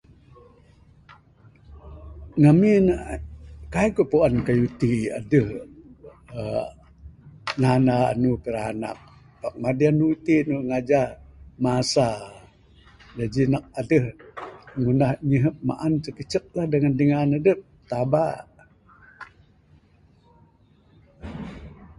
Ngamin ne kaik ku puan kayuh ti adeh aaa nanda anu pingranak pak madi anu iti ngajah masa jaji nak adeh ngundah nyihep maan icek icek lah dangan adep taba.